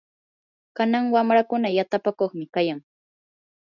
kanan wamrakuna yatapakuqmi kayan.